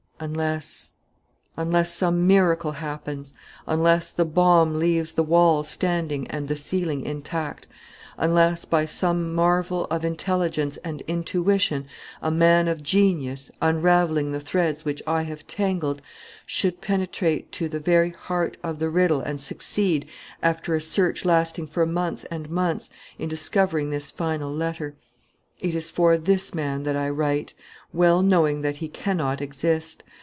"Unless unless some miracle happens unless the bomb leaves the walls standing and the ceiling intact. Unless, by some marvel of intelligence and intuition, a man of genius, unravelling the threads which I have tangled, should penetrate to the very heart of the riddle and succeed, after a search lasting for months and months, in discovering this final letter. "It is for this man that I write, well knowing that he cannot exist.